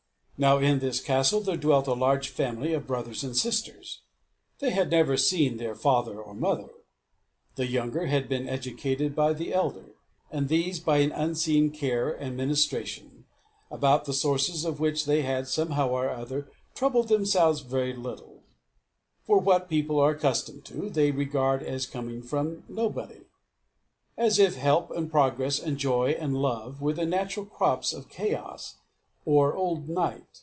Now in this castle there dwelt a large family of brothers and sisters. They had never seen their father or mother. The younger had been educated by the elder, and these by an unseen care and ministration, about the sources of which they had, somehow or other, troubled themselves very little for what people are accustomed to, they regard as coming from nobody; as if help and progress and joy and love were the natural crops of Chaos or old Night.